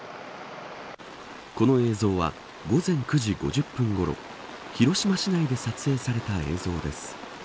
この映像は午前９時５０分ごろ広島市内で撮影された映像です。